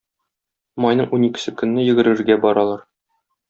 Майның уникесе көнне йөгерергә баралар.